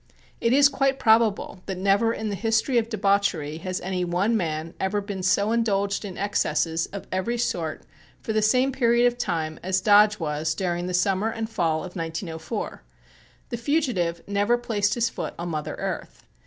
It is quite probable that never in the history of debauchery has any one man ever been so indulged in excesses of every sort for the same period of time as Dodge was during the summer and fall of 1904. The fugitive never placed his foot on mother earth.